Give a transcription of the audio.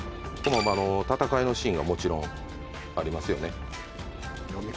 闘いのシーンがもちろんありますよね